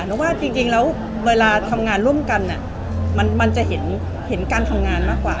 แต่ว่าจริงแล้วเวลาทำงานร่วมกันมันจะเห็นการทำงานมากกว่า